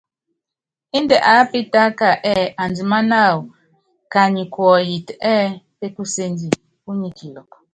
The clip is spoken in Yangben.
Índɛ aápitáka ɛɛ́ andiman wawɔ kanyikuɔyit ɛɛ́ pékusendi, punyi kilɔk.